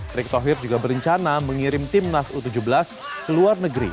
erick thohir juga berencana mengirim timnas u tujuh belas ke luar negeri